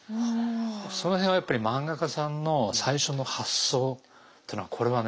その辺はやっぱり漫画家さんの最初の発想っていうのはこれはね